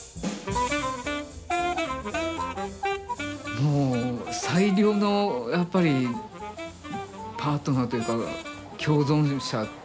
もう最良のやっぱりパートナーというか共存者というか。